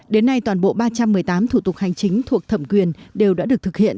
đến nay toàn bộ ba trăm một mươi tám thủ tục hành chính thuộc thẩm quyền đều đã được thực hiện